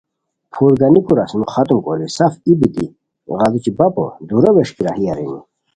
پھور گانیکو رسمو ختم کوری سف ای بیتی غیڑوچی بپو دُور و ویݰکی راہی ارینی